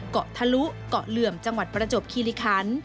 เกาะทะลุเกาะเหลื่อมจังหวัดประจวบคิริคัน